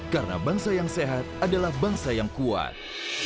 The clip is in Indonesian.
karena bangsa yang sehat adalah bangsa yang kuat